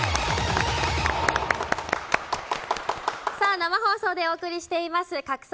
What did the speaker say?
生放送でお送りしています「拡散！